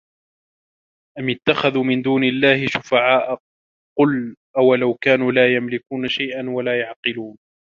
أَمِ اتَّخَذوا مِن دونِ اللَّهِ شُفَعاءَ قُل أَوَلَو كانوا لا يَملِكونَ شَيئًا وَلا يَعقِلونَ